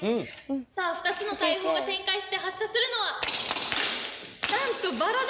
さあ２つの大砲が展開して発射するのはなんとバラだ！